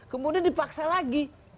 kemudian dipaksa lagi